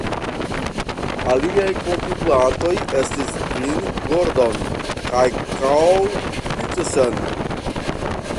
Aliaj kontribuantoj estis Vin Gordon kaj Karl Pitterson.